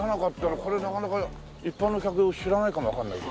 これなかなか一般の客知らないかもわかんないですね。